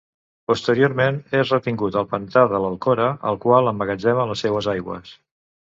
Posteriorment, és retingut al pantà de l'Alcora, el qual emmagatzema les seues aigües.